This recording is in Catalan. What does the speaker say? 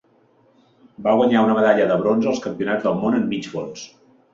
Va guanyar una medalla de bronze als Campionats del món en mig fons.